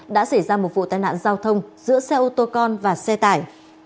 đã xảy ra một vụ tai nạn giao thông giữa xe ô tô con và xe tải